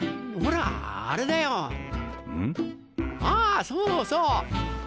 あそうそう。